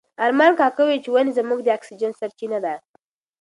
ارمان کاکا وویل چې ونې زموږ د اکسیجن سرچینه ده.